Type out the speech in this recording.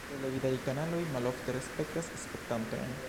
Televidaj kanaloj malofte respektas spektantojn.